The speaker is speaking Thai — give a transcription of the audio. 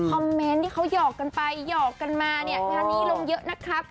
เมนต์ที่เขาหยอกกันไปหยอกกันมาเนี่ยงานนี้ลงเยอะนะครับ